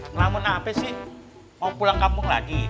ngelamun apa sih mau pulang kampung lagi